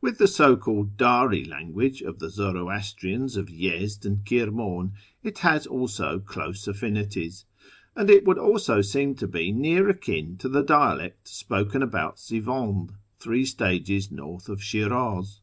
With the so called Bari language of the Zoroastrians of Yezd and Kirman it has also close affinities,^ and it would also seem to be near akin to the dialect spoken about Sivand, three stages north of Shi'raz.